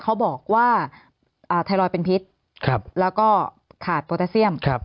เขาบอกว่าไทรอยด์เป็นพิษแล้วก็ขาดโปรตาเซียม